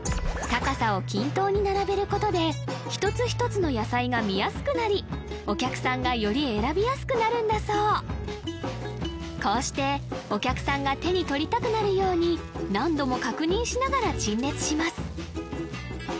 高さを均等に並べることで一つ一つの野菜が見やすくなりお客さんがより選びやすくなるんだそうこうしてお客さんが手に取りたくなるように何度も確認しながら陳列します